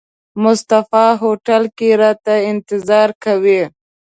مصطفی هوټل کې راته انتظار کوي.